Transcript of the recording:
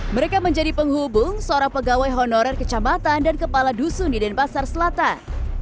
mereka menjadi penghubung seorang pegawai honorer kecamatan dan kepala dusun di denpasar selatan